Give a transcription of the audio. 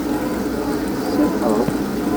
Qessiḥeḍ.